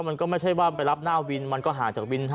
มันก็ไม่ใช่ว่าไปรับหน้าวินมันก็ห่างจากวิน๕